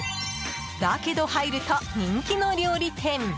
だけど入ると人気の料理店！